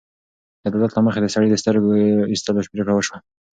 د عدالت له مخې د سړي د سترګې ایستلو پرېکړه وشوه.